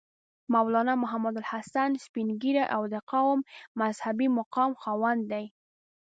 مولنا محمودالحسن سپین ږیری او د قوي مذهبي مقام خاوند دی.